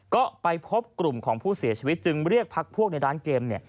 ก็ไปพบกลุ่มของผู้เสียชีวิตจึงเรียกพักพวกในร้านเกมเนี่ย